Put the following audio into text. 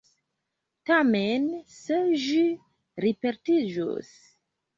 Tamen se ĝi ripetiĝus.